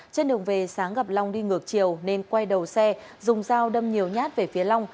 trên đường về sáng gặp long đi ngược chiều nên quay đầu xe dùng dao đâm nhiều nhát về phía long